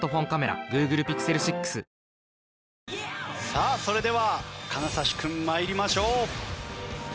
さあそれでは金指君参りましょう。